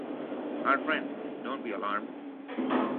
Our friend — don't be alarmed!